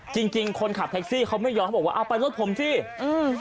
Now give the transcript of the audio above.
จริงจริงคนขับแท็กซี่เขาไม่ยอมเขาบอกว่าเอาไปรถผมสิอืม